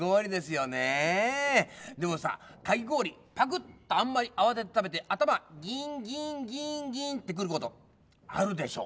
でもさかきごおりパクッとあんまりあわててたべてあたまギンギンギンギンってくることあるでしょ。